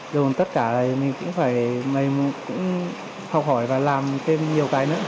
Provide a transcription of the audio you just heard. rồi tất cả mình cũng phải học hỏi và làm thêm nhiều cái nữa